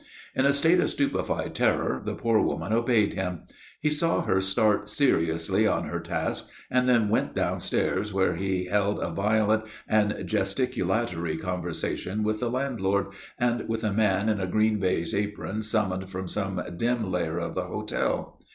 In a state of stupefied terror the poor woman obeyed him. He saw her start seriously on her task and then went downstairs, where he held a violent and gesticulatory conversation with the landlord and with a man in a green baize apron summoned from some dim lair of the hotel.